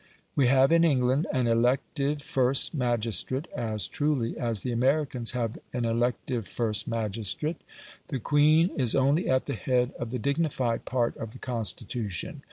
We have in England an elective first magistrate as truly as the Americans have an elective first magistrate. The Queen is only at the head of the dignified part of the Constitution.